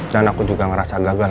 dan aku juga ngerasa gagal